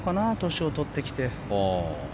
年を取ってきて。